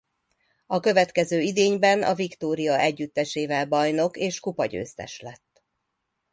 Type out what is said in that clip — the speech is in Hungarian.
A következő idényben a Viktória együttesével bajnok és kupagyőztes lett.